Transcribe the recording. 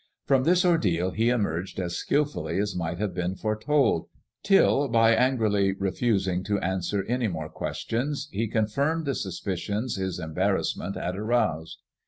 From this ordeal he emerged as skil fully as might have been fore told, till by angrily refusing to answer any more questions, he confirmed the suspicions his embarrassment had aroused.